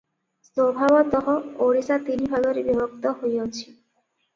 ସ୍ୱଭାବତଃ ଓଡ଼ିଶା ତିନି ଭାଗରେ ବିଭକ୍ତ ହୋଇଅଛି ।